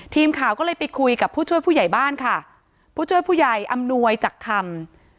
ทีมข่าวก็เลยไปคุยกับผู้ช่วยผู้ใหญ่บ้านค่ะผู้ช่วยผู้ใหญ่อำนวยจักคำ